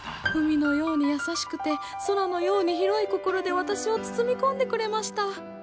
海のように優しくて空のように広い心で私を包み込んでくれました。